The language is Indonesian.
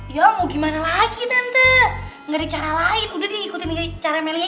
ya mau gimana lagi tante gak ada cara lain udah deh ikutin cara meli aja ya